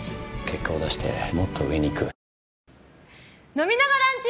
飲みながランチ！